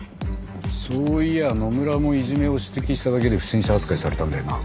そういや野村もいじめを指摘しただけで不審者扱いされたんだよな？